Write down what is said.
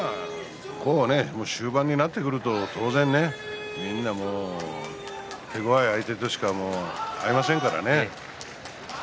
もう終盤になってくると当然みんな手ごわい相手としかありませんからね。